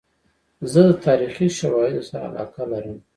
زه د تاریخي شواهدو سره علاقه لرم.